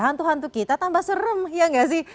hantu hantu kita tambah serem ya gak sih